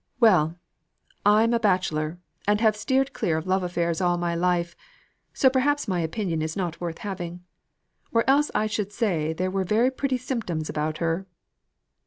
"Well! I'm a bachelor, and have steered clear of love affairs all my life; so perhaps my opinion is not worth having. Or else I should say there were very pretty symptoms about her!"